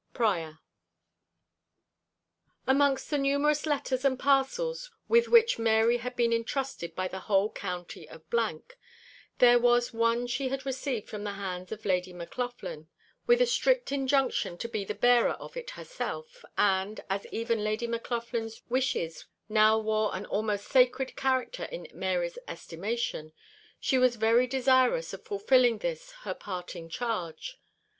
PRIOR AMONGST the numerous letters and parcels with which Mary had been entrusted by the whole county of , there was one she had received from the hands of Lady Maclaughlan, with a strict injunction to be the bearer of it herself; and, as even Lady Maclaughlan's wishes now wore an almost sacred character in Mary's estimation, she was very desirous of fulfilling this her parting charge.